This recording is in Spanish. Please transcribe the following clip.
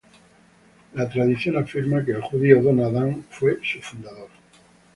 La tradición afirma que el judío Don Adán fue su fundador.